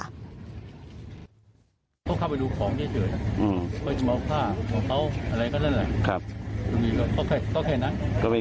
นั่งอยู่รถตู้สีดำ